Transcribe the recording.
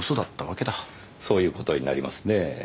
そういうことになりますねえ。